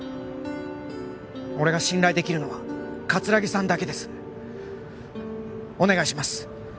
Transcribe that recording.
俺が信頼できるのは葛城さんだけですお願いします